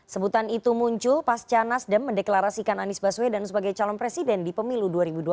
sebutan itu muncul pasca nasdem mendeklarasikan anies baswedan sebagai calon presiden di pemilu